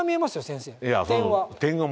先生点は。